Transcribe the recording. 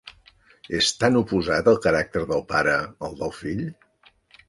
És tan oposat el caràcter del pare al del fill!